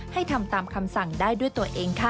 ทำตามคำสั่งได้ด้วยตัวเองค่ะ